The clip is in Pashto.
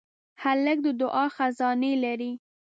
هلک د دعا خزانې لري.